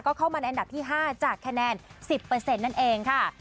เข้ามาในอันดับที่๕จากคะแนน๑๐นั่นเองค่ะ